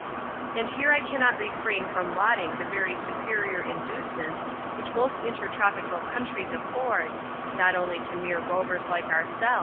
And here I cannot refrain from lauding the very superior iaducements which mo&l iiitet\xo^\&'a\ ^\uvtrles afford, not only to mere rovers like ouxadN^> "Wx.